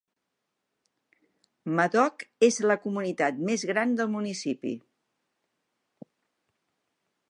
Madoc és la comunitat més gran del municipi.